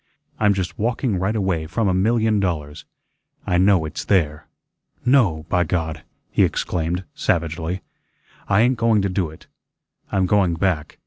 I'm just walking right away from a million dollars. I know it's there. No, by God!" he exclaimed, savagely, "I ain't going to do it. I'm going back.